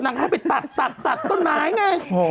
นางให้ไปตัดตัดตัดต้นไม้ไง